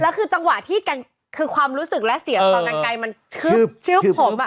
แล้วคือจังหวะที่คือความรู้สึกและเสียงตอนกลางมันชึบผมอ่ะ